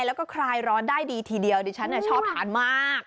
แล้วก็คลายร้อนได้ดีทีเดียวดิฉันชอบทานมาก